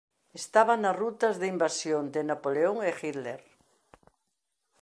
Estaba nas rutas de invasión de Napoleón e Hitler.